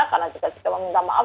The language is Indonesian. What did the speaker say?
karena juga sudah meminta maaf